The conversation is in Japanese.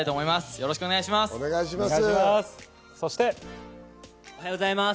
よろしくお願いします。